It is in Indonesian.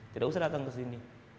tidak usah datang ke sini